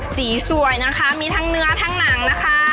สวยนะคะมีทั้งเนื้อทั้งหนังนะคะ